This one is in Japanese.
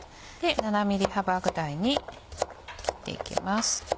７ｍｍ幅ぐらいに切っていきます。